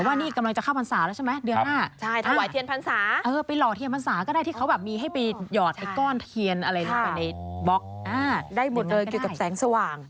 ถ้ามาสมมุติบางคนถ้าทำงานติดขัดเจออุปสรรคเยอะ